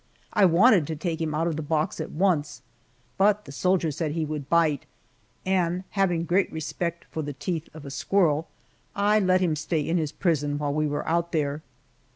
I wanted to take him out of the box at once, but the soldier said he would bite, and having great respect for the teeth of a squirrel, I let him stay in his prison while we were out there.